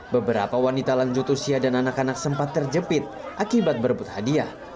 beberapa wanita lanjut usia dan anak anak sempat terjepit akibat berebut hadiah